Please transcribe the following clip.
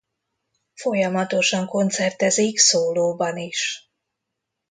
Folyamatosan koncertezik szólóban is.